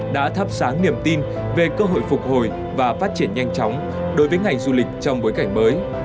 đã thắp sáng niềm tin về cơ hội phục hồi và phát triển nhanh chóng đối với ngành du lịch trong bối cảnh mới